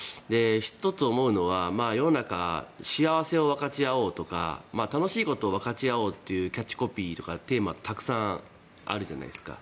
１つ思うのは世の中、幸せを分かち合おうとか楽しいことを分かち合おうというキャッチコピーとかテーマがたくさんあるじゃないですか。